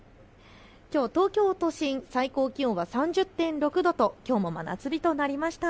きょう東京都心最高気温は３０．６度ときょうも真夏日となりました。